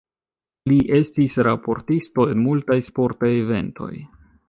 Li estis raportisto en multaj sportaj eventoj.